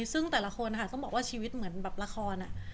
ซึ่งแต่ละคนนะคะต้องบอกว่าชีวิตเหมือนแบบละคร